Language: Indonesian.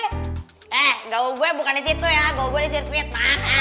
eh gaul gue bukan di situ ya gaul gue di sirkuit pak